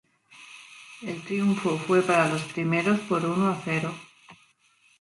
El triunfo fue para los primeros por uno a cero.